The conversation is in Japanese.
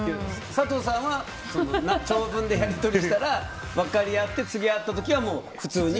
佐藤さんは長文でやり取りしたら分かり合って次会ったときは普通に？